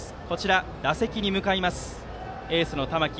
打席に向かうのはエースの玉木。